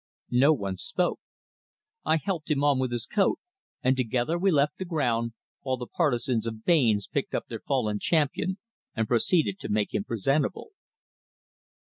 No one spoke. I helped him on with his coat, and together we left the ground, while the partisans of Baynes picked up their fallen champion and proceeded to make him presentable.